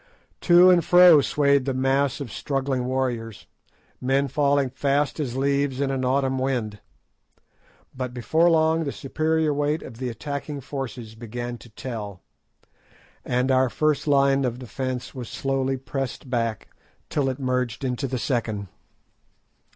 To and fro swayed the mass of struggling warriors, men falling fast as leaves in an autumn wind; but before long the superior weight of the attacking force began to tell, and our first line of defence was slowly pressed back till it merged into the second.